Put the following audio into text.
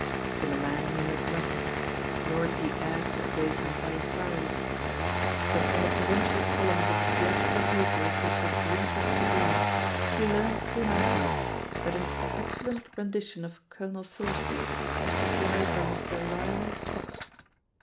From the man he heard nothing; nor did he add to abasement by inquiries. But from the provincial columns of the theatrical paper at which he had the interest to glance, he learnt soon afterwards that an "excellent rendi tion of ^Colonel Forrester' was supplied by Mr. Lionel Stott."